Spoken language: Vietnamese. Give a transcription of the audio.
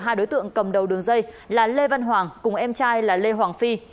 hai đối tượng cầm đầu đường dây là lê văn hoàng cùng em trai là lê hoàng phi